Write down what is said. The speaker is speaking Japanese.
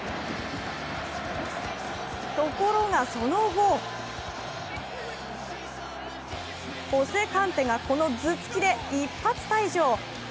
ところが、その後ホセカンテがこの頭突きで一発退場。